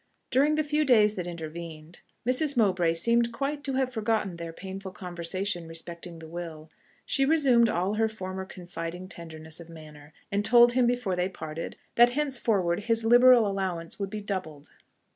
During the few days that intervened, Mrs. Mowbray seemed quite to have forgotten their painful conversation respecting the will; she resumed all her former confiding tenderness of manner, and told him before they parted, that henceforward his liberal allowance would be doubled.